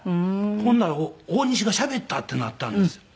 ほんなら大西がしゃべったってなったんですよ。